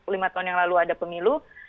karena lima tahun yang lalu ada pemilu